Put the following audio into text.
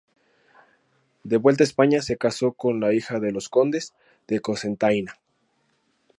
De vuelta a España, se casó con la hija de los Condes de Cocentaina.